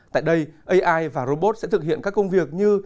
tại đây ai và robot sẽ thực hiện các công việc như